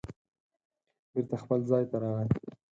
بېرته خپل ځای ته راغی